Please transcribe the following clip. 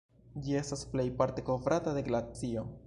Ĝi estas plejparte kovrata de glacio.